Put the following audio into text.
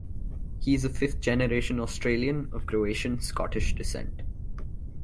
He is a fifth-generation Australian of Croatian-Scottish descent.